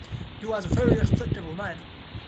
He was a very respectable man.